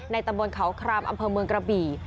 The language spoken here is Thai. ตำบลเขาครามอำเภอเมืองกระบี่